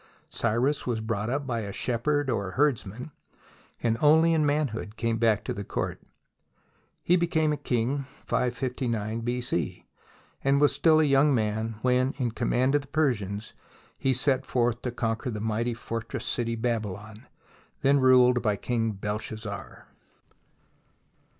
Cyrus was brought up by a shepherd or herdsman, and only in manhood came back to THE SIEGE OF BABYLON the court. He became king 559 B.C., and was still a young man when, in command of the Persians, he set forth to conquer the mighty fortress city, Babylon, then ruled by King Belshazzar.